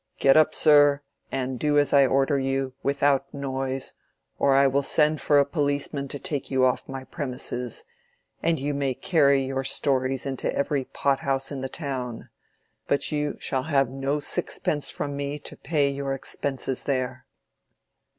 Get up, sir, and do as I order you, without noise, or I will send for a policeman to take you off my premises, and you may carry your stories into every pothouse in the town, but you shall have no sixpence from me to pay your expenses there."